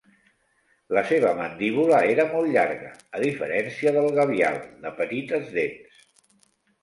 La seva mandíbula era molt llarga, a diferència del gavial, de petites dents.